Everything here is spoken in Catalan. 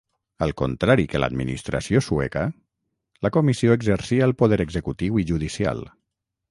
Al contrari que l'administració sueca, la comissió exercia el poder executiu i judicial.